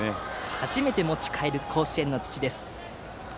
初めて持ち帰る甲子園の土。